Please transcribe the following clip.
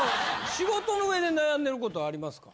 仕事の上で悩んでることはありますか？